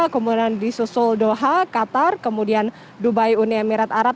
kemudian di susul doha qatar kemudian dubai uni emirat arab